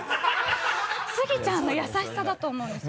スギちゃんの優しさだと思うんですよ